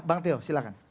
bang teo silahkan